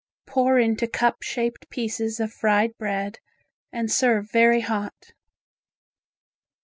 Pour into cup shaped pieces of fried bread, and serve very hot.